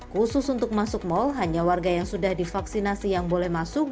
khusus untuk masuk mal hanya warga yang sudah divaksinasi yang boleh masuk